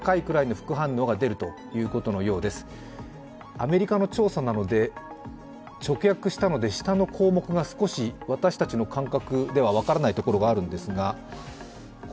アメリカの調査なので直訳したので下の項目が少し私たちの感覚では分からないところがあるんですが。